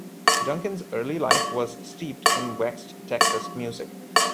Duncan's early life was steeped in West Texas music.